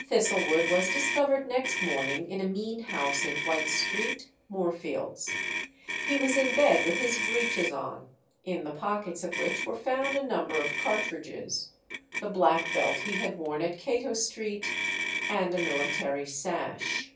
Thistlewood was discovered next morning in a mean house in White Street, Moorfields. He was in bed with his breeches on (in the pockets of which were found a number of cartridges), the black belt he had worn at Cato Street, and a military sash.